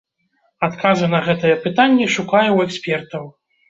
Адказы на гэтыя пытанні шукаю ў экспертаў.